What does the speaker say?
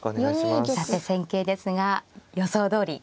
さて戦型ですが予想どおり。